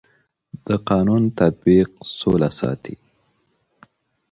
د قانون تطبیق سوله ساتي